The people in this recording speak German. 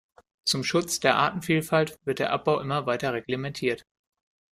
Zum Schutz der Artenvielfalt wird der Abbau immer weiter reglementiert.